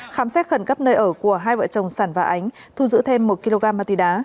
khám xét khẩn cấp nơi ở của hai vợ chồng sản và ánh thu giữ thêm một kg ma túy đá